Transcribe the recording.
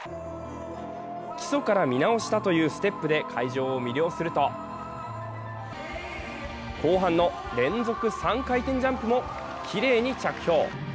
基礎から見直したというステップで会場を魅了すると後半の連続３回転ジャンプも、きれいに着氷。